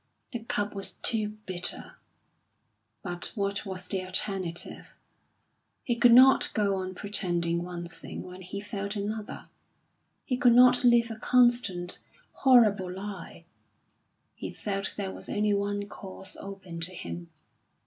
The cup was too bitter! But what was the alternative? He could not go on pretending one thing when he felt another; he could not live a constant, horrible lie. He felt there was only one course open to him.